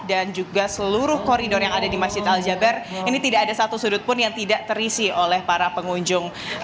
dan juga seluruh koridor yang ada di masjid al jabar ini tidak ada satu sudut pun yang tidak terisi oleh para pengunjung